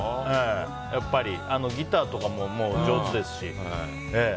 やっぱりギターとかも上手ですし。